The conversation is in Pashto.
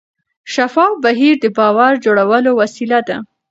شفاف بهیر د باور جوړولو وسیله ده.